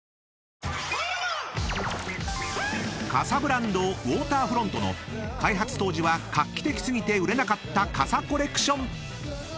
［傘ブランドウォーターフロントの開発当時は画期的過ぎて売れなかった傘コレクション］